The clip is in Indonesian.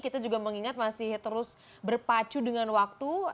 kita juga mengingat masih terus berpacu dengan waktu